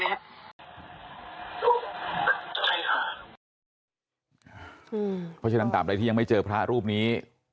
เพราะฉะนั้นตามใดที่ยังไม่เจอพระรูปนี้